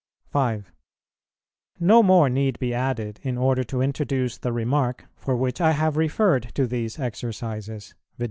5. No more need be added in order to introduce the remark for which I have referred to these Exercises; viz.